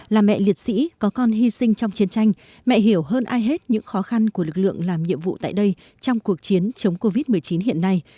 là mẹ liệt sĩ có con hy sinh trong chiến tranh mẹ hiểu hơn ai hết những khó khăn của lực lượng làm nhiệm vụ tại đây trong cuộc chiến chống covid một mươi chín hiện nay